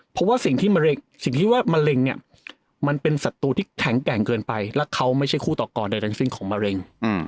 เพราะว่าสิ่งที่ว่ามะเร็งมันเป็นสัตว์ตัวที่แข็งแกร่งเกินไปและเขาไม่ใช่คู่ต่อกรใดในสิ่งของมะเร็ง